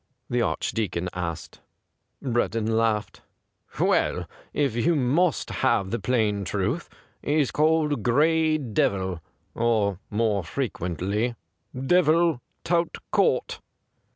''' the Archdeacon asked. Breddon laughed. ' Well, if you must have the plain truth, he's called Gray Devil — or, more frequently. Devil tout court.'